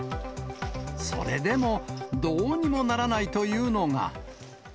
それでもどうにもならないというのが。